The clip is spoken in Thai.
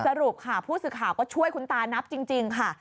สรุปค่ะผู้สื่อข่าวก็ช่วยคุณตานับจริงค่ะ